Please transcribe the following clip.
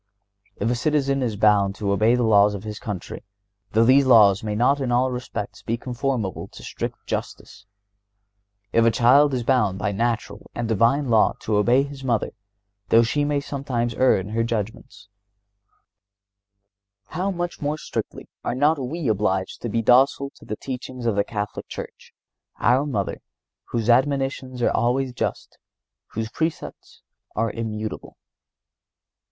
If a citizen is bound to obey the laws of his country, though these laws may not in all respects be conformable to strict justice; if a child is bound by natural and divine law to obey his mother, though she may sometimes err in her judgments, how much more strictly are not we obliged to be docile to the teachings of the Catholic Church, our Mother, whose admonitions are always just, whose precepts are immutable!